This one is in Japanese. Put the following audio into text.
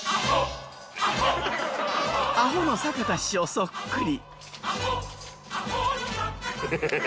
アホの坂田師匠そっくり。